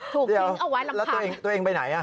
ถูกทิ้งเอาไว้แล้วตัวเองไปไหน